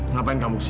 ngapain kamu disini